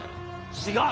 違う！